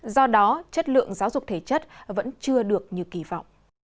do đó chất lượng giáo dục thể chất vẫn chưa được như kỳ vọng